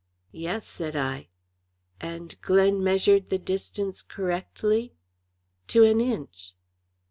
"Yes," said I. "And Glen measured the distance correctly?" "To an inch."